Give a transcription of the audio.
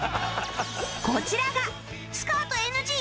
こちらがスカート ＮＧ！？